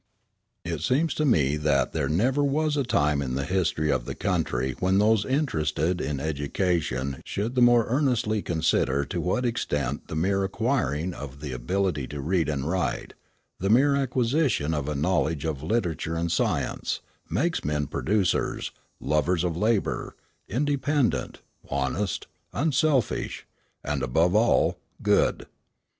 It seems to me that there never was a time in the history of the country when those interested in education should the more earnestly consider to what extent the mere acquiring of the ability to read and write, the mere acquisition of a knowledge of literature and science, makes men producers, lovers of labour, independent, honest, unselfish, and, above all, good.